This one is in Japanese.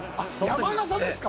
山笠ですか。